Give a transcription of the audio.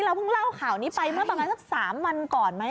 แล้วพึ่งเล่าข่าวนี้ไปเมื่อตอนนั้นสัก๓วันก่อนมั้ย